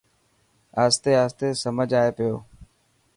آهستي آهستي سمجهه آئي پيو.